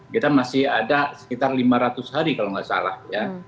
kita masih ada sekitar lima ratus hari kalau nggak salah ya